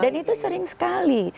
dan itu sering sekali